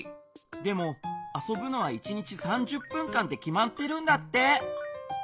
でもあそぶのは１日３０分間ってきまってるんだって。